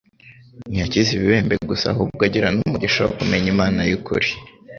ntiyakize ibibembe gusa, ahubwo agira n'umugisha wo kumenya Imana y'ukuri.